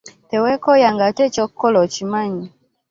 Teweekooya ng'ate eky'okulola okimanyi.